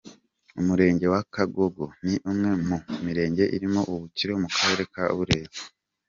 Umurenge wa Kagogo ni umwe mu mirenge irimo ubukire mu karere ka Burera.